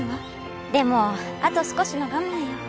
でもあと少しの我慢よ。